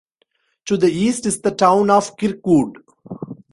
To the east is the town of Kirkwood.